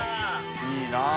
いいなぁ。